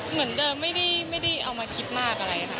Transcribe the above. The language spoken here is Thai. เหมือนเดิมไม่ได้เอามาคิดมากอะไรค่ะ